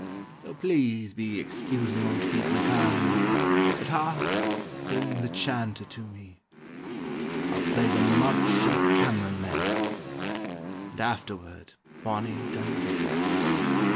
"So please be excusing old Pete MacKay But hark! bring the chanter to me, I'll play the 'March o' the Cameron Men,' And afterward 'Bonnie Dundee.'"